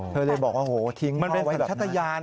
เธอเลยบอกว่าโอ้โฮทิ้งพ่อไว้ชัตยาน